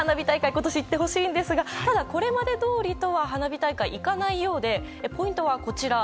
今年、行ってほしいんですがただ、これまでどおりとは花火大会、いかないようでポイントはこちら。